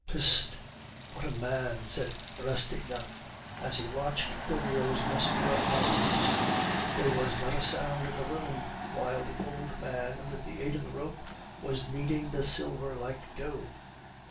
"Peste! what a man!" said Rastignac, as he watched Goriot's muscular arms; there was not a sound in the room while the old man, with the aid of the rope, was kneading the silver like dough.